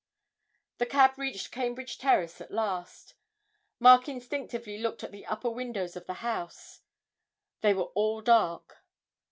The cab reached Cambridge Terrace at last. Mark instinctively looked at the upper windows of the house they were all dark.